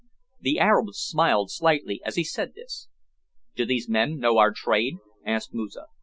The Arab smiled slightly as he said this. "Do these men know our trade?" asked Moosa.